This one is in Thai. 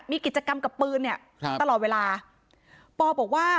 มีกิจกรรมกับปืนเนี่ยครับตลอดเวลาปอบอกว่า